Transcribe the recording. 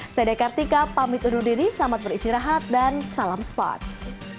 saya dekartika pamit undur diri selamat beristirahat dan salam sports